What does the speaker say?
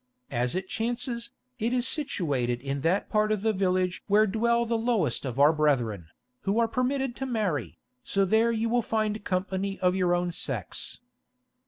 As it chances, it is situated in that part of the village where dwell the lowest of our brethren, who are permitted to marry, so there you will find company of your own sex."